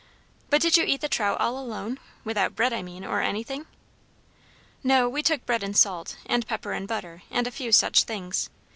"But did you eat the trout all alone? without bread, I mean, or anything?" "No; we took bread and salt, and pepper and butter, and a few such things.